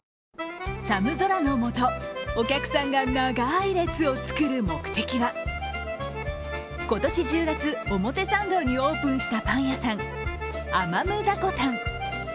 寒空のもと、お客さんが長い列を作る目的は今年１０月、表参道にオープンしたパン屋さん、アマムダコタン。